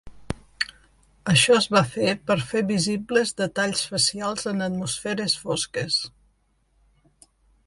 Això es va fer per a fer visibles detalls facials en atmosferes fosques.